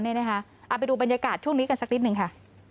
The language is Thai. เอาไปดูบรรยากาศช่วงนี้กันสักนิดนึงค่ะ